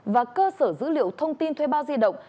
và cơ sở dữ liệu thông tin thuê bao di động